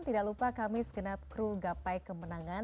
tidak lupa kami segenap kru gapai kemenangan